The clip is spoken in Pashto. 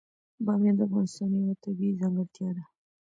بامیان د افغانستان یوه طبیعي ځانګړتیا ده.